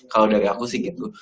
kalau dari aku sih gitu